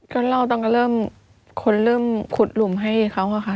ก็เล่าตั้งแต่เริ่มคนเริ่มขุดหลุมให้เขาอะค่ะ